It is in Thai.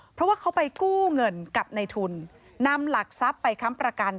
เพราะว่าเขาไปกู้เงินกับในทุนนำหลักทรัพย์ไปค้ำประกัน